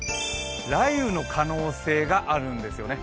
雷雨の可能性があるんですよね。